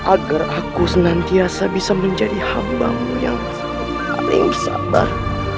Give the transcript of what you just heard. agar aku senantiasa bisa menjadi hambamu yang paling sabar